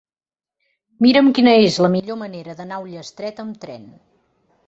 Mira'm quina és la millor manera d'anar a Ullastret amb tren.